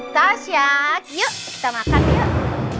tasyak yuk kita makan yuk